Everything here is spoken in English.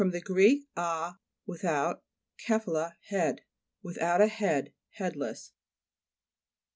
gr. a, without, kephqle, head. Without a head ; headless.